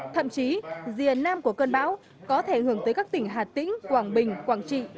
thậm chí rìa nam của cơn bão có thể hưởng tới các tỉnh hà tĩnh quảng bình quảng trị